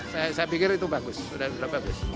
saya pikir itu bagus sudah bagus